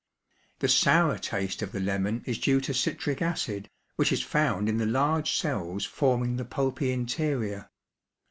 The sour taste of the lemon is due to citric acid, which is found in the large cells forming the pulpy interior.